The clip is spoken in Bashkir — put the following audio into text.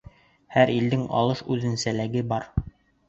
Һәр илдең алыш үҙенсәлеге бар.